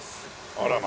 あらま。